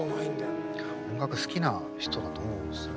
音楽好きな人だと思うんですよね。